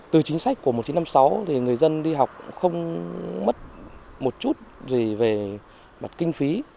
từ chính sách của một nghìn chín trăm năm mươi sáu thì người dân đi học không mất một chút gì về mặt kinh phí